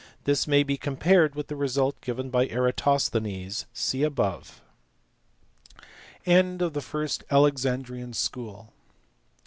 This may be compared with the result given by Eratosthenes (see above, p. 84). End of the first Alexandrian School.